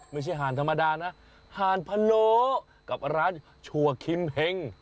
ไม่ใช่ทานธรรมดานะทานพะโหลกับร้านชั่วคริมเพ้ง